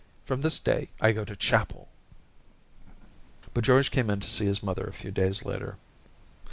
From this day I go to chapel' But George came to see his mother a few days later.